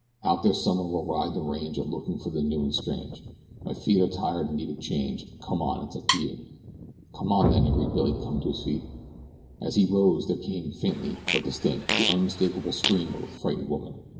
Out there somewhere we'll ride the range a looking for the new and strange; My feet are tired and need a change. Come on! It's up to you!" "Come on, then," agreed Billy, coming to his feet. As he rose there came, faintly, but distinct, the unmistakable scream of a frightened woman.